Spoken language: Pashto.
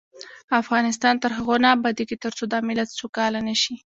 افغانستان تر هغو نه ابادیږي، ترڅو دا ملت سوکاله نشي.